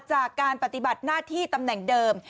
จากการปฏิบัติหน้าที่ตำแหน่งเดิม